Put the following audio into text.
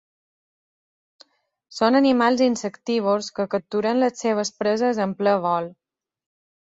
Són animals insectívors que capturen les seves preses en ple vol.